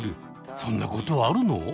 そんなことあるの！？